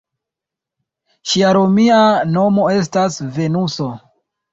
Ŝia romia nomo estas Venuso.